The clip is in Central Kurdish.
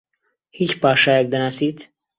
هیچ پاشایەک دەناسیت؟